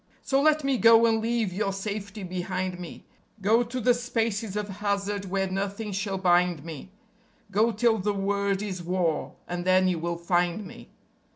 So let me go and leave your safety behind me; Go to the spaces of hazard where nothing shall bind me; Go till the word is War and then you will find me.